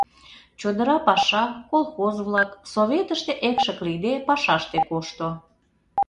Чодыра паша, колхоз-влак, советыште экшык лийде пашаште кошто.